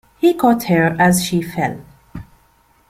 He caught her as she fell.